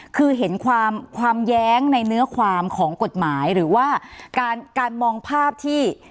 คือเห็นความความแย้งในเนื้อความของกฎหมายหรือว่าการการมองภาพที่